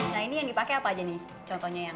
nah ini yang dipakai apa aja nih